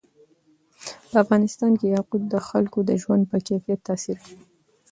په افغانستان کې یاقوت د خلکو د ژوند په کیفیت تاثیر کوي.